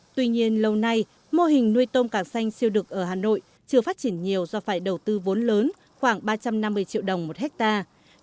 tuy nhiên lâu nay mô hình nuôi tôm càng xanh siêu đực ở hà nội chưa phát triển nhiều do phải đầu tư vốn lớn khoảng ba trăm năm mươi triệu đồng một hectare